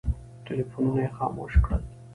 ټلفونونه یې خاموش کړل.